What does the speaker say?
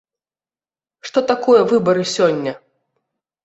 Што такое выбары сёння?